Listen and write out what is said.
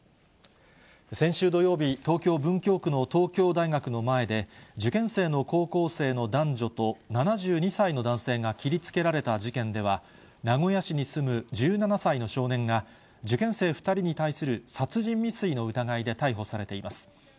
先週土曜日、東京・文京区の東京大学の前で、受験生の高校生の男女と７２歳の男性が切りつけられた事件では、名古屋市に住む１７歳の少年が、受験生２人に対する殺人未遂の疑いで逮捕されています。